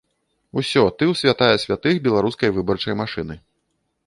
Усё, ты ў святая святых беларускай выбарчай машыны.